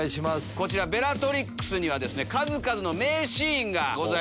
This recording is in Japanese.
こちらベラトリックスにはですね数々の名シーンがございます。